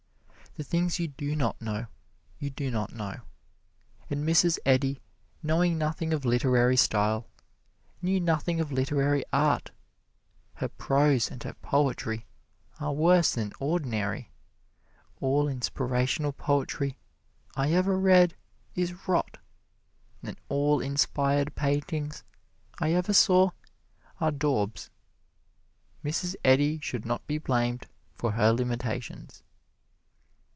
The things you do not know, you do not know. And Mrs. Eddy, knowing nothing of literary style, knew nothing of literary art. Her prose and her poetry are worse than ordinary. All inspirational poetry I ever read is rot, and all inspired paintings I ever saw are daubs. Mrs. Eddy should not be blamed for her limitations.